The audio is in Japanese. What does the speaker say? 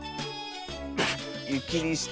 ゆきりして。